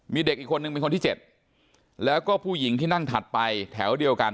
มีเด็กอีกคนนึงเป็นคนที่๗แล้วก็ผู้หญิงที่นั่งถัดไปแถวเดียวกัน